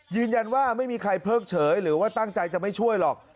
ยืนยันว่าไม่มีใครเพิ่งเฉยหรือว่าตั้งใจจะไม่ช่วยหรอก